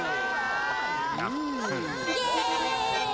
イエーイ！